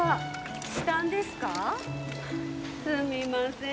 すみません